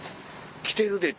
来てるで！